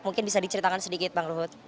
mungkin bisa diceritakan sedikit pak ruhut